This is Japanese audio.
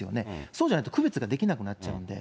そうじゃないと区別ができなくなっちゃうんで。